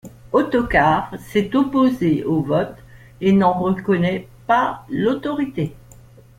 Ottokar s'est opposé au vote et n'en reconnaît pas l'autorité.